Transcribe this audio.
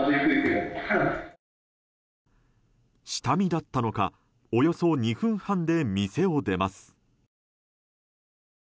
下見だったのかおよそ２分半で店を出ます。